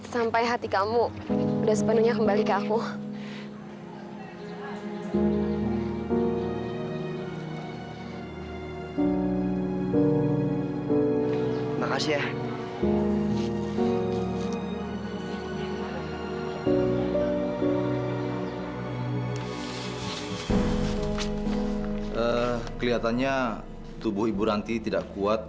sampai hati kamu udah sepenuhnya kembali ke aku